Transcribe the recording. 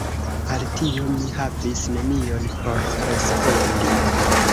Al tio, mi havis nenion por respondi.